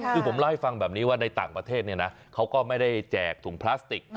คือผมเล่าให้ฟังแบบนี้ว่าในต่างประเทศเนี่ยนะเขาก็ไม่ได้แจกถุงพลาสติก